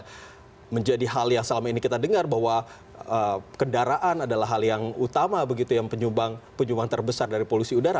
ini menjadi hal yang selama ini kita dengar bahwa kendaraan adalah hal yang utama begitu yang penyumbang terbesar dari polusi udara